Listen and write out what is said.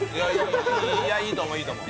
いやいいと思ういいと思う。